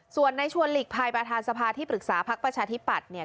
ส่วนในชวนหลีกภัยประธานสภาที่ปรึกษาพักประชาธิปัตย์เนี่ย